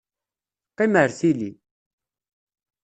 Qqim ar tili!